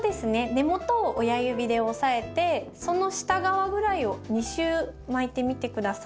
根元を親指で押さえてその下側ぐらいを２周巻いてみて下さい。